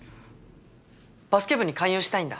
バスケ部に勧誘したいんだ。